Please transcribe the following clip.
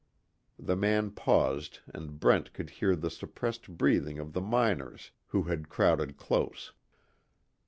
The man paused and Brent could hear the suppressed breathing of the miners who had crowded close.